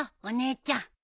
お姉ちゃん。